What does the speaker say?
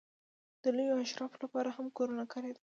د لویو اشرافو لپاره هم کورونه کارېدل.